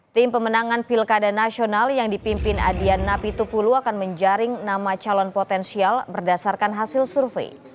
tim pemenangan pilkada nasional yang dipimpin adian napitupulu akan menjaring nama calon potensial berdasarkan hasil survei